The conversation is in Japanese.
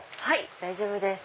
大丈夫です。